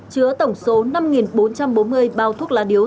chứa tổng số năm bốn trăm bốn mươi bao thuốc lá điếu